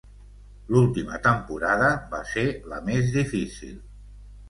L'última temporada va ser la més difícil.